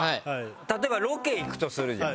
例えばロケ行くとするじゃん。